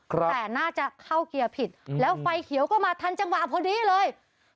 แต่น่าจะเข้าเกียร์ผิดแล้วไฟเขียวก็มาทันจังหวะพอดีเลย